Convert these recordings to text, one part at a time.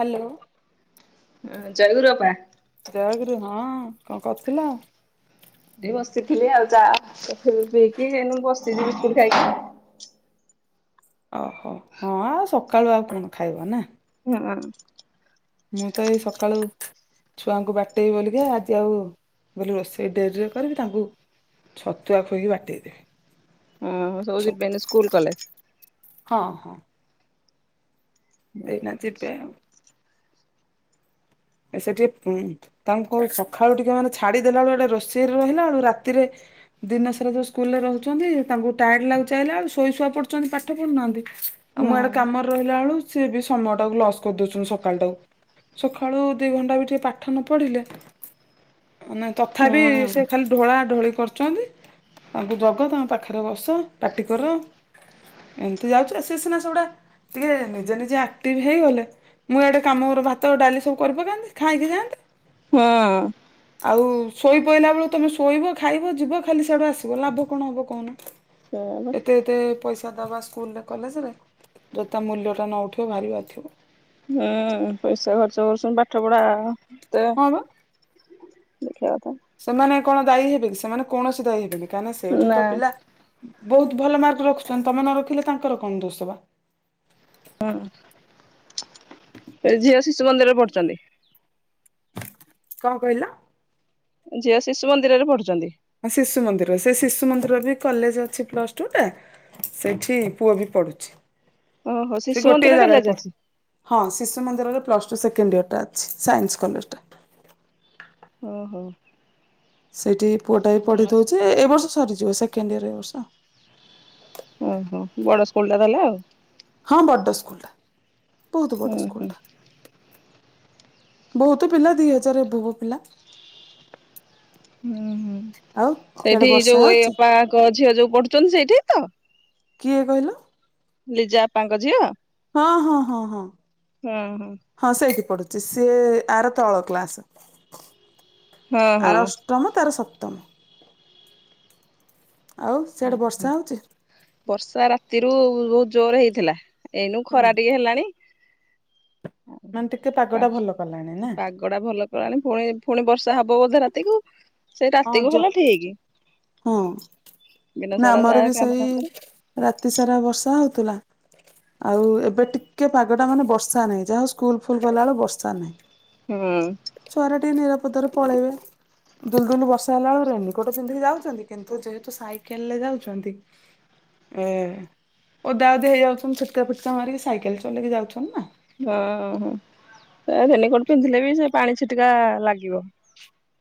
Hello. ଜୟଗୁରୁ ଅପା। ଜୟଗୁରୁ ହଁ। କଣ କରୁଥିଲ? ଏଠି ବସିଥିଲି ଆଉ। ଚା [unintelligible] ପିଇକି ଏଇନୁ ବସିଚି ବିସ୍କୁଟ ଖାଇକି। ଓହୋ। ହଁ ଆଉ ସକାଳୁ ଆଉ କଣ ଖାଇବ ନା। ହୁଁ। ମୁଁ ତ ଏଇ ସକାଳୁ ଛୁଆଙ୍କୁ ବାଟେଇବି ବୋଲିକା, ଆଜି ଆଉ ମୁଁ କହିଲି ରୋଷେଇ ଡେରିରେ କରିବି ତାଙ୍କୁ ଛତୁଆ ଖୋଇକି ବାଟେଇଦେ। ହଁଁ ସବୁ ଯିବେନି ଏଇନେ ସ୍କୁଲ କଲେ ହଁ ହଁ। ଏଇନା ଯିବେ ଆଉ। ସେ ଟିକେ ତାଙ୍କୁ କଣ ସଖାଳୁ ଟିକେ ମାନେ ଛାଡିଦେଲା ବେଳୁ ଇଆଡେ ରୋଷେଇରେ ରହିଲା ବେଳୁ ରାତିରେ ଦିନସାରା ଯୋଉ ସ୍କୁଲରେ ରହୁଛନ୍ତି, ତାଙ୍କୁ ଟାୟାର୍ଡ ଲାଗୁଚି ଆଇଲା ବେଳ କୁ ଶୋଇ ଶୁଆ ପଡୁଛନ୍ତି ପାଠ ପଢୁନାହାନ୍ତି। ଆଉ ହୁଁ। ମୁଁ ଇଆଡେ କାମରେ ରହିଲା ବେଳ କୁ ସିଏ ବି ସମୟ ଟାକୁ ଲସ୍ କରିଦଉଛନ୍ତି ସକାଳ ଟାକୁ। ସକାଳୁ ଦି ଘଣ୍ଟା ବି ଟିକେ ପାଠ ନ ପଢିଲେ ନାଇଁ ହୁଁ ତଥାପି ସେ ଖାଲି ଢୋଳା ଢୋଳି କରୁଚନ୍ତି। ତାଙ୍କୁ ଜଗ ତାଙ୍କ ପାଖରେ ବସ ପାଟି କର। ଏନ୍ତି ଯାଉଚି। ଆ ସିନା ସେଗୁଡା ଟିକେ ନିଜେ ନିଜେ ଆକ୍ଟିଭ ହେଇଗଲେ ମୁଁ ଇଆଡେ କାମ ଗୁରା ଭାତ ଡାଲି ସବୁ କରି ପକାନ୍ତି ଖାଇକି ଯାନ୍ତେ। ହଁ। ଆଉ ଶୋଇ ପଇଲା ବେଳୁ ତମେ ଶୋଇବ ଖାଇବ ଯିବ ଖାଲି ସିଆଡୁ ଆସିବ ଲାଭ କଣ ହବ କହୁନ। ସେଇଆ ପା। ଏତେ ଏତେ ପଇସା ଦବା ସ୍କୁଲରେ କଲେଜ୍ ରେ ଯଦି ତା ମୂଲ୍ୟ ଟା ନ ଉଠିବ ଭାରିି ବାଧିବ। ହୁଁ। ପଇସା ଖର୍ଚ୍ଚ କରୁସନ୍ତି ପାଠ ପଢା ଏତେ ହଁ ବା ଦେଖିବା କଥା। ସେମାନେ କଣ ଦାୟୀ ହେବେ କି, ସେମାନେ କୌଣସି ଦାୟୀ ହେବେନି। କାହିଁକି ନା ସେଇଠୁ ତ ପିଲା ବହୁତ ଭଲ ମାର୍କ ରଖୁଛନ୍ତି। ତମେ ନ ରଖିଲେ ତାଙ୍କର କଣ ଦୋଷ ବା। [unintelligible] ଝିଅ ଶିଶୁ ମନ୍ଦିରରେ ପଢୁଛନ୍ତି। କଣ କହିଲ? ଝିଅ ଶିଶୁ ମନ୍ଦିରରେ ପଢୁଛନ୍ତି। ଶିଶୁ ମନ୍ଦିର ସେ ଶିଶୁ ମନ୍ଦିରର ବି କଲେଜ ଅଛି ପ୍ଲସ ଟୁ ଟା। ସେଇଠି ପୁଅ ବି ପଢୁଛି। ଓହୋ ସେ ଶିଶୁ ମନ୍ଦିର ଗୋଟିଏ କଲେଜ ଜାଗାରେ ପ ଅଛି ହଁ ଶିଶୁ ମନ୍ଦିରର ପ୍ଲସ୍ ଟୁ ସେକେଣ୍ଡ ଇୟରଟା ଅଛି ସାଇନ୍ସ କଲେଜଟା। ଓଁ ହୋ ସେଇଠି ପୁଅଟା ବି ପଢ଼ିଥଉଛଛି ଏ ବର୍ଷ ସରିଯିବ ସେକେଣ୍ଡ ଇୟର୍ ଏ ବର୍ଷ। ଓହୋ ବଡ ସ୍କୁଲ ଟା ହେଲେ ଆଉ? ହଁ ବଡ଼ ସ୍କୁଲଟା ବହୁତ ହୁଁ ବଡ଼ ହୁଁ ସ୍କୁଲଟା। ବହୁତ ପିଲା ଦି ହଜାର ଏଭବ ପିଲା। ହୁଁ ହୁଁ ଆଉ ସିଆଡେ ସେଇଠି ବର୍ଷା ଯୋଉ ଏଇ ହଉଛି ଅପାଙ୍କ ଝିଅ ଯୋଉ ପଢୁଛନ୍ତି ସେଇଠି ତ? କିଏ କହିଲ? ଲିଜା ଅପାଙ୍କ ଝିଅ ହଁ ହଁ ହଁ ହଁ ହଁ ସେଇ ପଢୁଛି ସିଏ ଆର ତଳ କ୍ଲାସ। ହଁ ହଁ। ଆର [unintelligible] ତାର ସପ୍ତମ। ଆଉ ଓୁ ସିଆଡେ ବର୍ଷା ହଁ ହଉଛି ବର୍ଷା ରାତିରୁ ବହୁତ ଜୋର ହେଇଥିଲା। ଏଇନୁ ହୁଁ ଖରା ଟିକେ ହେଲାଣି। ମାନେ ଟିକେ ପାଗ ଟା ଭଲ କଲାଣି ନା? ପାଗଟା ଭଲ କଲାଣି ପୁଣି ପୁଣି ବର୍ଷା ହବ ବୋଧେ ରାତିକୁ ସେଇ ହଁ ରାତିକୁୁ ଯୋ ହେଲା ଠିକ। ହଁ ଦିନ ନା ସାରା ଆମର ଯାହା ବି କାମ ସେଇ ଦାମ କରେ ରାତି ସାରା ବର୍ଷା ହଉଥିଲା। ଆଉ ଏବେ ଟିକେ ପାଗଟା ମାନେ ବର୍ଷା ନାହିଁ ଯାହାଉ ସ୍କୁଲ ଫୁଲ ଗଲାବେଳ ବର୍ଷା ନାହିଁ। ହୁଁ ଛୁଆରେ ଟିକେ ନିରାପଦରେ ପଳେଇବେ। ଦୁଲ ଦୁଲ ବର୍ଷା ହେଲା ବେଳେ ରେନିକୋଟ ପିନ୍ଧି ଯାାଉ କିନ୍ତୁ ଯେହେତୁ ସାଇକେଲରେ ଯାଉଛନ୍ତି ଏ ଓଦା ଓଦି ହେଇଯାଉଛନ୍ତି ଛିଟକା ଫୁଟକା ମାରିକି ସାଇକେଲ ଚଲେଇକି ଯାଉଛନ୍ତି ନା। ଓଁ ହୋ ସେ ରେନିକୋଟ ପିନ୍ଧିଲେ ବି ସେ ପାଣି ଛିଟିକା ଲାଗିବ।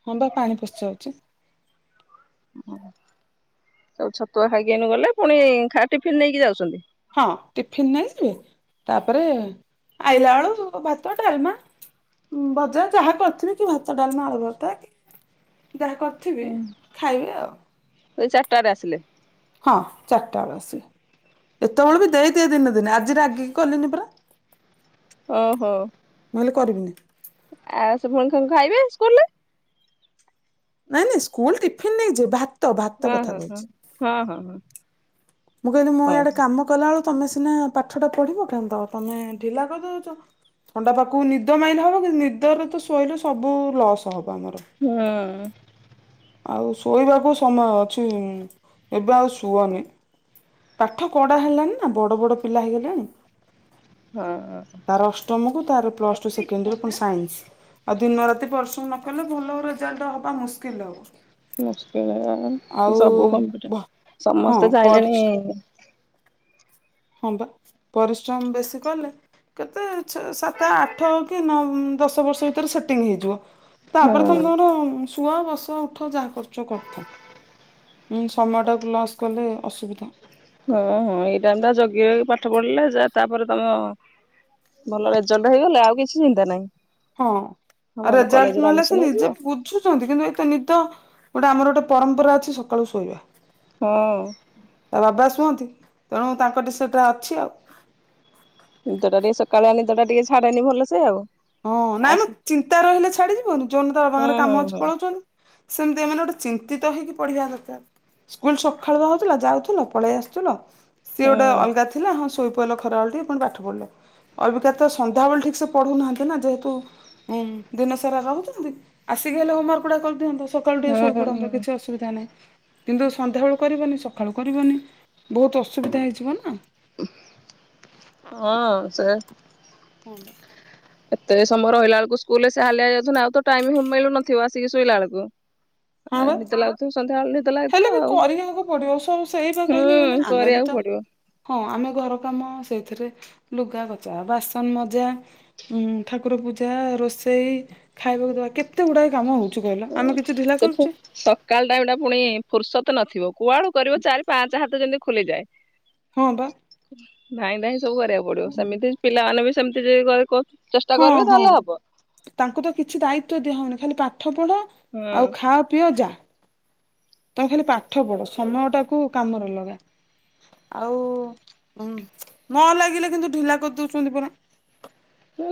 ହଁ ବା ପାଣି ପଶିଯାଉଛି। ଓଉ ଛତୁଆ ଖାଇକି ଏନୁ ଗଲେ ପୁଣି ଖା ଟିଫିନ୍ ନେଇକି ଯାଉଛନ୍ତି। ହଁ ଟିଫିିନ ନେଇଯିବି ତାପରେ ଆଇଲା ବେଳୁ ସେ ଭାତ, ଡାଲମା। ଭଜା ଯାହା କରିଥିବେ କି ଭାତ ଡାଲମା ନା ଆଲୁଭତା କି ଯାହା [unintelligible] ଖାଇବି ଆଉ। ଏଇ ଚାରିଟାରେ ଆସିଲେ। ହଁ ଚାରିଟା ବେଳଳେ ଆସିଲେ। ଏତେବେଳେ ବି ଦେଇଦିଏ ଦିନେ ଦିନେ ଆଜି ରାଗି କି କଲିନି ପରା। ଓହୋ ମୁଁ କହିଲି କରିବିନି। ଆଉ ଶୁଭମ୍ କଣ ଖାଇବେ ସ୍କୁଲ ରେ? ନାଇଁ ନାଇଁ ସ୍କୁଲ ଟିଫିନ୍ ନେଇଯିବି। ଭା ହଁ ହଁ ହ ହଁ ହଁ ହ। ମୁଁ କହିଲି ମୋ ଇଆଡେ କାମ କଲା ବେଳୁ ତମେ ସିନା ପାଠଟା ପଢିବ ତମେତ ଢିଲା କରିଦେଉଛ। ଣ୍ଡା ପାଖକୁ ନିଦ ମାଇଲେ ହେବ କିନ୍ତୁ ନିଦରେ ତ ଶୋଇଲେ ସବୁ ଲସ୍ ହବ ଆମର। ହଁ ଆଉ ଶୋଇବାକୁ ସମୟ ଅଛି ଏବେ ଆଉ ଶୁଅନି। ପାଠ କଡା ହେଲାଣି ନା ବଡ ବଡ ପିଲା ହେଇଗଲାଣି। ହଁ ତାର ଅଷ୍ଟମକୁୁ ତାର ପ୍ଲସ ଟୁ ସେକେଣ୍ଡ ୟୀଅର୍ ପୁଣି ସାଇନ୍ସ। ଆଉ ଦିନ ରାତି ପରିଶ୍ରମ ନ କଲେ ଭଲ ରେଜଲ୍ଟ ହବା ମୁସ୍କିଲ ହେବ। ମୁସ୍କଲ ସବୁ କମ୍ପୁଟର ଭ ହଁ ସମସ୍ତେ ପରିସ୍ ଚାହିଁଲେଣି ହଁ ବା ପରିଶ୍ରମ ବେଶୀ କଲେ କେତେ ସାତ ଆଠ କି ନ ଦଶ ବର୍ଷ ଭିତରେ ସେଟିଂ ହେଇଯିବ ତା ହଁ ପରେ ତମେ ତମର ଶୁଆ ବସ ଉଠ ଯାହା କରୁଛ କରଥା। ସମୟଟାକୁ ଲସ୍ କଲେ ଅସୁବିଧା। ହଁ ହଁ ଏଇଟା ତା ଜଗି ରଖି ପାଠ ପଢିଲେ ଯା ତାପରେ ତମ ଭଲ ରେଜଲ୍ଟ ହେଇଗଲେ ଆଉ କିଛି ଚିନ୍ତା ନାହିଁ। ହଁ ହଁ ଆ ଭଲ ରେଜଲ୍ଟ କଲେଜରେ ନହେଲେ ଆଡମିସନ ସେ ହେଇଯିବ ନିଜେ ବୁଝୁଛନ୍ତି କିନ୍ତୁ ଏଇତ ନିଦ ଗୋଟେ ଆମର ଗୋଟେ ପରମ୍ପରା ଅଛି ସକାଳୁ ଶୋଇବା। ହଁ। ତା ବାବା ଶୁହନ୍ତି ତେଣୁ ତାଙ୍କ ଟିକେ ସେଟା ଅଛି ଆଉ ନିଦଟା ଟିକେ ସକାଳେ ଆ ନିଦଟା ଟିକେ ଛାଡେନି ଭଲ ସେ ଆଉ ହଁ ନାଇଁ ଆସ ମ ଚିନ୍ତା ରହିଲେ ଛାଡିଯିବନି ଯୋଉ ଦିନ ତାର ହୁଁ ବାବାଙ୍କର ହୁଁ କାମ ଅଛି ହୁଁ। ପଳାଉଛନ୍ତି। ସେମିତି ଏମାନେ ଗୋଟେ ଚିନ୍ତିତ ହେଇକି ପଢ଼ିବା ଦରକାର ସ୍କୁଲ ସକାଳୁ ହଉଥିଲା ଯାଉଥିଲ ପଳେଇ ଆସୁଥିଲ ସିଏ ଗୋଟେ ଅଲଗା ହୁଁ ଥିଲା ହଁ ଶୋଇ ପଇଲ ଖରାବେଳ ଟ ପୁଣି ପାଠ ପଢିଲ ଅବିକା ତ ସନ୍ଧ୍ୟାବେଳେ ଠିକ୍ ସେ ପଢୁନାହାନ୍ତି ଯେହେତୁ ଉଁ ଦିନ ସାରା ରହୁଛନ୍ତି ଆସିକି ହେଲେ ହୋମାର୍କ ଗୁଡା କରିଦିଅନ୍ତେ ସକାଳୁ ଟିକେ ହୁଁ ଶୋଇପଡନ୍ତେ ହୁଁ କିଛି ଅସୁବିଧା ନାହିଁ କିନ୍ତୁ ସନ୍ଧ୍ୟାବେେଳୁ କରିବନି ସକାଳୁ କରିବନି ବହୁତ ଅସୁବିଧା ହେଇଯିବ ନା ହଁ ସେ ହୁନ୍ତ [unintelligible] ଏତେ ସମୟ ରହିଲା ବଳକୁ ସ୍କୁଲ ରେ ସେ ହାଲିଆ ହେଇ ଯାଉଛନ୍ତି ଆଉ ତ ଟାଇମ ମିଳୁ ନଥିବ ଆସିକି ଶୋଇଲା ବେଳକୁ ହଁ ଆଉ ବା ନିଦ ଲାଗୁଥିବ ସନ୍ଧ୍ୟାବେଳେ ଲାଗୁଥିବ ହେଲେ ବି ଆଉ କରିବାକୁ ପଡିବ ସବୁ ସେଇ ବା ହୁଁ କହିଲେ ମାନେ ଆମେ ବି କରିବାକୁ ତ ପଡିବ। ହଁ ଆମେ ଘର କାମ ସେଇଥିରେ ଲୁଗା କଚା ବାସନ ମଜା ଉଁ ଠାକୁର ପୂଜା ରୋଷେଇ ଖାଇବାକୁ ଦେବା କେତେ ଗୁଡାକ କାମ ହଉଛି ହୁଁ ଆମ କିଛି ଢିଲା ସେ କରୁଛେ? ସକାଳ ଟାଇମ ଟା ପୁଣି ଫୁର୍ସତ ନଥିବ କୁଆଳୁ କରିବ ଚାରି ପାଞ୍ଚ ହାତ ଯେମିତି ଖୋଲିଯାଏ ହଁ ବା ନାଇଁ ନାଇଁ ସବୁ କରିବାକୁ ପଡିବ ସେମିତି ପିଲାମାନେ ବି ସେମିତି ଯେ ହଁ ହଁ ତାଙ୍କୁ ତ କିଛି ଦାୟିତ୍ଵ ଦିଆ ହଉନି ଖାଲି ପାଠ ପଢା ଆଉ ହୁଁ ଖାଅ ପିଅ ଯା ତମେ ଖାଲି ପାଠ ପଢ ସମୟ ଟାକୁ କାମରେ ଲଗା ଆଉ ଉ ନ ଲାଗିଲେ କିନ୍ତୁ ଢିଲା କରିଦଉଛନ୍ତି ପରା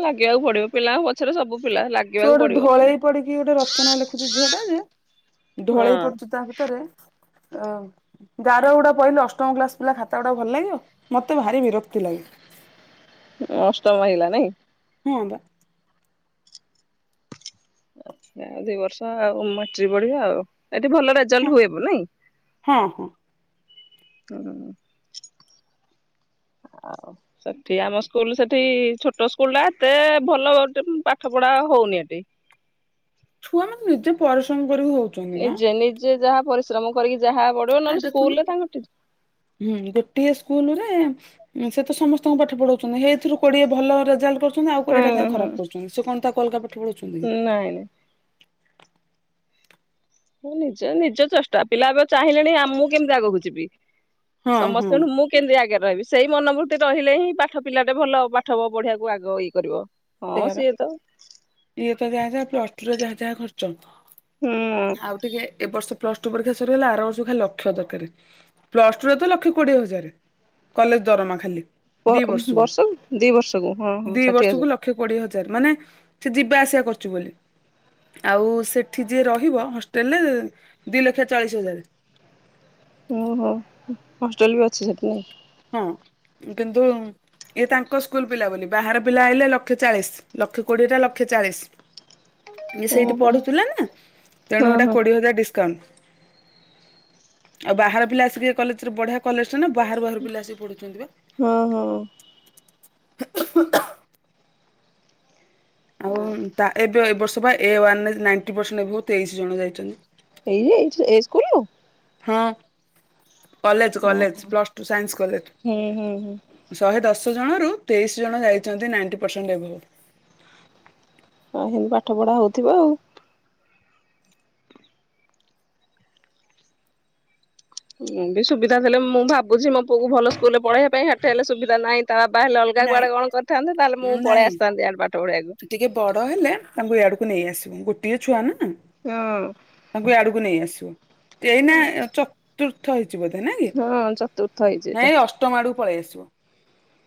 ଲାଗିବାକୁ ପଡିବ ପିଲାଙ୍କ ପଛରେ ସବୁ ପିଲା ଲାଗି ସେ ଗୋଟେ ଢଳେଇ ପଡିକି ଗୋଟେ ରଚନା ଲେଖୁଛି ଝିଅ ଟା ଯେ ଢଳେଇ ହଁ ପଡ଼ୁଚି ତା ଭିତରେ ଅ ଗାର ଗୁଡା ପହିଲେ ଅଷ୍ଟମ କ୍ଲାସ ପିଲା ଖାତା ଗୁଡା ଭଲ ଲାଗିବ ମତେ ଭାରି ବିରକ୍ତି ଲାଗେ। ଅଷ୍ଟମ ହେଇ ଗଲା ନାଇଁ? ହଁ ବା। ଆଛା ଦି ବର୍ଷ ଆଉ ମାଟ୍ରିକ ବଢିବା ଆଉ ଏଠି ଭଲ ରେଜଲ୍ଟ ହୁଏ ହବ ନାଇଁ। ହଁ ହଁ। ହୁଁ ହୁଁ ହୁଁ। ଆଉ ସେଠି ଆମ ସ୍କୁଲ ସେଠି ଛୋଟ ସ୍କୁଲ ଟା ଏତେ ଭଲ ପାଠ ପଢା ହଉନି ଏଠି। ଛୁଆମାନେ ନିଜେ ପରିଶ୍ରମ କରିକ ହଉ ନିଜେ ନିଜେ ଯାହା ପରିଶ୍ରମ କରିକି ଯାହା ପଢିବ ଆଉ ନହେଲେ ଦେଖୁନୁ। ସ୍କୁଲରେ ତାଙ୍କ ଟି ହୁଁ ଗୋଟିଏ ସ୍କୁଲ ରେ ଉଁ ସେ ତ ସମସ୍ତଙ୍କୁ ପାଠ ପଢାଉଛନ୍ତି ହେଇଥିରୁ କୋଡିଏ ଭଲ ରେଜଲ୍ଟ କର ଛନ୍ତି ଆଉ କୋଡ଼ିଏ ଟା କାଇଁ ହୁଁ। ଖରାପ କରୁଛନ୍ତି ସେ କଣ ତାକୁ ଅଲଗା ପାଠ ପଢଉଛନ୍ତି କି? ନାଇଁ ନାଇଁ। ନିଜ ନିଜ ଚେଷ୍ଟା ପିଲା ଏବେ ଚାହିଁଲେଣି ଆ ମୁଁ କେମିତି ଆଗକୁ ଯିବି ହଁ ହଁ ସମସ୍ତେଠୁଁ ମୁଁ କେମିତି ଆଗରେ ରହିବି ସେଇ ମନୋବୂର୍ତ୍ତି ରହିଲେ ହିଁ ପାଠ ପିଲା ଟେ ଭଲ ପାଠ ପଢିଆକୁ ଆଗ ଇଏ କରିବ। ସେଇଆ ହଁ ବା। ସିଏ ତ ଇଏ ତ ଯାହା ଯାହା ପ୍ଳସ ଟୁ ରେ ଯାହା ଯାହା ଖର୍ଚ୍ଚ ହୁଁ ଆଉ ଟିକେ ଏ ବର୍ଷ ପ୍ଲସ ଟୁ ପରୀକ୍ଷା ସରିଗଲା ଆର ବର୍ଷକୁ ଖାଲି ଲକ୍ଷ ଦରକାରେ ପ୍ଲସ ଟୁରେ ତ ଲକ୍ଷେ କୋଡିଏ ହଜାରେ। କଲେଜ ଦରମା ଖାଲି। ବ ବର୍ଷକୁ ଦି ବର୍ଷକୁ ହଁ ହଁ ଦି ଷାଠିଏ ବର୍ଷକୁ ହଜାର। ଲକ୍ଷେ କୋଡିଏ ହଜାର ମାନେ ସିଏ ଯିବା ଆସିବା କରୁଛୁ ବୋଲି ଆଉ ସେଠି ଯିଏ ରହିବ ହଷ୍ଟେଲରେ ଦିଇ ଲକ୍ଷେ ଚାଳିଶି ହଜାରେ। ଓହୋ ହଷ୍ଟେଲ ବି ଅଛି ସେଠି ନାଇଁ! ହଁ କିନ୍ତୁ ଇଏ ତାଙ୍କ ସ୍କୁଲ ପିଲା ବୋଲି ବାହାର ପିଲା ଆଇଲେ ଲକ୍ଷେ ଚାଳିଶ ଲକ୍ଷେ କୋଡ଼ିଏଟା ଲକ୍ଷେ ଚାଳିଶ ଇଏ ଓହୋ ସେଇଠି ପଢୁଥିଲା ତେଣୁ ହଁ ହେଇଟା ହଁ କୋଡିଏ ହଜାର ଡିସକାଉଣ୍ଟ। ଆଉ ବାହାର ପିଲା ଆସିକି ଏ କଲେଜରେ ବଢିଆ କଲେଜ ଟା ନା ବାହାରୁ ବାହାରୁ ପିଲା ଆସିକି ପଢୁଛନ୍ତି ବା। ହଁ ହଁ। [unintelligible] ଆଉ ଏଇ ଉଁ ତା ଏବେ ଏ ବର୍ଷ ବା ଏ ୱାନରେ ନାଇଣ୍ଟ ପରସେଣ୍ଟ ଏବଭ୍ ତେଇଶି ଜଣ ଯାଇଛନ୍ତି। ଏଇ ଯେ ଏଇ ଚ ଏଇ ସ୍କୁଲରୁ? ହଁ କଲେଜ ହଁ। College plus two science college. ହୁଁ ହୁଁ ହୁଁ ଶହେ ଦଶ ଜଣରୁ ତେଇଶ ଜଣ ଯାଇଛନ୍ତି ନାଇଣ୍ଟି ପରସେଣ୍ଟ ଏଭବ। ହଁ ସେମିତି ପାଠ ପଢ଼ା ହଉଥିବ ଆଉ। ମୁଁ ବି ସୁବିଧା ଥିଲେ ମୁଁ ଭାବୁଛି ମୋ ପୁଅକୁ ଭଲ ସ୍କୁଲରେ ପଢେଇବା ପାଇଁ ଏଠି ହେଲେ ସୁବିଧା ନାହିଁ ତା ବାବା ହେଲେ ଅଲଗା ନାଇଁ କୁଆଡେ କଣ କରିଥାନ୍ତେ ତାହେଲେ ମୁଁ ନାଇଁ ପଳେଇ ଆସିଥାନ୍ତି ଇଆଡେ ପାଠ ପଢେଇବାକୁ। ଟିକେ ବଡ ହେଲେ ତାଙ୍କୁ ଇଆଡକୁ ନେଇ ଆସିବେ ଗୋଟିଏ ଛୁଆ ନା। ହଁ। ତାଙ୍କୁ ଇଆଡକୁ ନେଇ ଆସିବ ଏଇନା ଚ ତୁର୍ଥ ହେଇଛି ବୋଧେ ନା କି ହଁ ଚତୁର୍ଥ ହେଇଛି ଏଇଟା ନାଇଁ ଅଷ୍ ଷ୍ଟମ ଆଡକୁ ପଳେଇ ଆସିବ।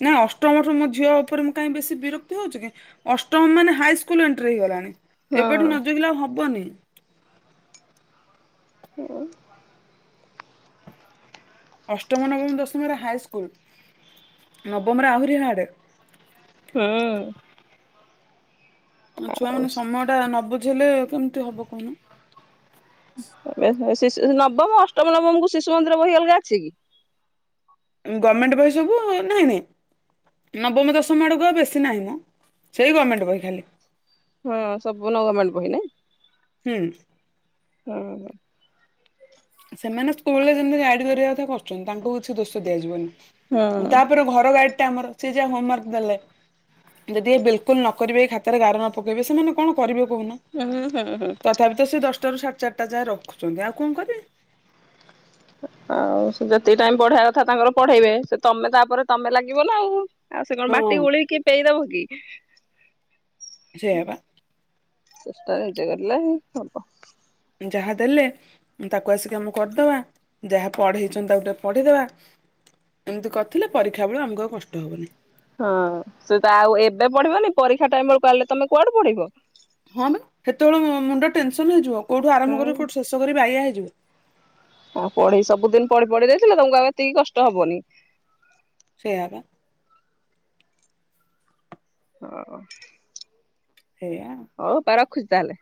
ନା ଅଷ୍ଟମ ଠୁ ମୋ ଝିଅ ଉପରେ ମୁଁ କାହିଁ ବେଶୀ ବିରକ୍ତି ହଉଛି କି ଅଷ୍ଟମ ମାନେ ହାଇସ୍କୁଲ ଏଣ୍ଟ୍ରି ହେଇଗଲାଣି ହଁ ଏବେଠୁ ନଜଗିଲେ ଆଉ ହବନି। ହୁଁ। ଅଷ୍ଟମ, ନବମ, ଦଶମରେ ହାଇସ୍କୁଲ ନବମରେ ଆହୁରି ହାଡେ। ହୁଁ। ଅ ଛୁଆମାନେ ଆଉ ସମୟଟା ନ ବୁଝେଇଲେ କେମିତି ହବ କହୁନ। [unintelligible] ଶିଶ୍ ନବମ, ଅଷ୍ଟମ ନବମକୁ ଶିଶୁ ମନ୍ଦିର ବହି ଅଲଗା ଅଛି କି? ଗମେଣ୍ଟ ବହି ସବୁ ଏ ନାହିଁ ନାଇଁ। ନବମ ଦଶମ ଆଡ଼କୁ ଆଉ ବେଶୀ ନାହିଁ ମ, ସେଇ ଗଭର୍ଣ୍ଣମେଣ୍ଟ ବହି ଖାଲି। ହଁ ସବୁ ନ ଗର୍ଣମେଣ୍ଟ ବହି ନା। ହୁଁ। ହଁ। ସେମାନେ ସ୍କୁଲ ରେ ଯେମିତି ଗାଡି କରିବା କଥା କରୁଛନ୍ତି ତାଙ୍କୁ କିଛି ଦୋଷ ଦିଆଯିବନି। ହଁ ତାପରେ ଘର ଗାଡି ଟା ଆମର ସେ ଯା ହୋମୱାର୍କ ଦେଲେ। ଯଦି ଏ ବିଲକୁଲ ନ କରିବେ ଖାତାରେ ଗାର ନ ପକାଇବେ ସେମାନେ କଣ କରିବେ କହୁନ। ହୁଁ ହୁଁ ହୁଁ। ତଥାପି ତ ସେ ଦଶଟାରୁ ସାଢ଼େ ଚାରିଟା ଯାଁଏ ରଖୁଛନ୍ତି ଆଉ କଣ କରିବେ। ଆଉ ସେ ଯେତିକି ଟାଇମ ପଢେଇବେ କଥା ତାଙ୍କର ପଢେଇବେ ସେ ତମେ ତାପରେ ତମେ ଲାଗିବ ନା ଆଉ। ଆଉ ସେ କଣ ହଁ ବାଟି ଗୋଲେଇକି କିଏ ପିଏଇଦବ କି? ସେଇଆ ବା ଚେଷ୍ଟା ନିଜେ କରିଲେ ହବ। ଯାହାଦେଲେ ତାକୁ ଆସିକି ଆମ କରିଦବା, ଯାହା ପଢେଇଛନ୍ତି ତାକୁ ଟିକେ ପଢେଇଦବା। ଏମିତି କରିଥିଲେ ପରୀକ୍ଷା ବେଳେ ଆମକୁ ଆଉ କଷ୍ଟ ହବନି। ହଁ ସେ ତ ଆଉ ଏବେ ପଢିବନି ପରୀକ୍ଷା ଟାଇମ ବେଳକୁ ବାହାରିଲେ ତମେ କୁଆଡୁ ପଢିବ। ହଁ ବା ସେତେବେଳେ ମୁଣ୍ଡ ଟେନସନ ହେଇଯିବ କୋଉଠୁ ଆରମ୍ଭ ହୁଁ କରିବ କୋଉଠୁ ଶେଷ କରିିବି ବାୟା ହେଇଯିବ। ହଁ ପଢେଇ ସବୁଦିନ ପଢି ପଢି ଦେଇଥିଲେ ତମକୁ ଆଉ ଏତିକି କଷ୍ଟ ହବନି। ସେଇଆ ବା। ହଁ। ସେଇଆ। ହଉ ବା ରଖୁଛି ତାହେଲେ।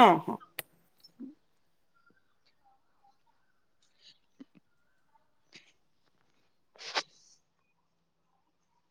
ହଁ ହଁ। ହୁଁ। [unintelligible]